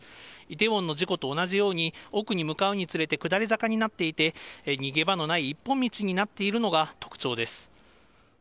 イテウォンの事故と同じように、奥に向かうにつれて下り坂になっていて、逃げ場のない一本道になっているのが特徴です。